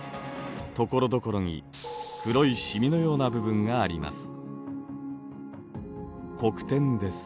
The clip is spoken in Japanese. ところどころに黒いシミのような部分があります。